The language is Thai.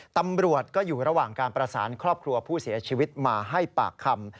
ตำรวจก็อยู่ระหว่างการประสานครอบครัวผู้เสียชีวิตมาให้ปากคำ